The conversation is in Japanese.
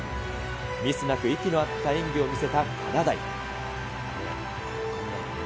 ミスなく息の合った演技を見せたかなだい。